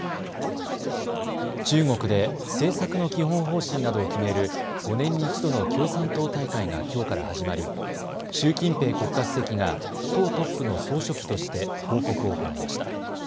中国で政策の基本方針などを決める５年に１度の共産党大会がきょうから始まり習近平国家主席が党トップの総書記として報告を行いました。